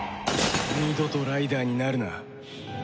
二度とライダーになるな。